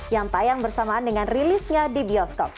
yang tayang bersamaan dengan rilisnya di bioskop